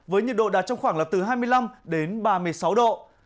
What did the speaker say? với nhiệt độ đạt trong khoảng là từ hai mươi năm đến ba mươi sáu độ